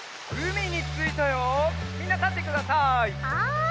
みんなたってください。